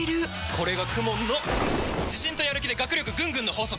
これがＫＵＭＯＮの自信とやる気で学力ぐんぐんの法則！